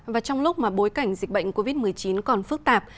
và trong lúc mà bối cảnh dịch bệnh covid một mươi chín còn phức tạp